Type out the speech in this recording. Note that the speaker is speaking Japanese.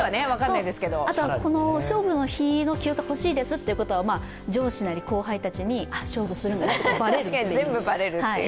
あとはこの勝負の日の休暇欲しいですっていうのは上司なり後輩たちに、勝負するんだなと分かられてしまう。